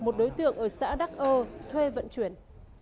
một đối tượng ở xã đắc ô thuê vận chuyển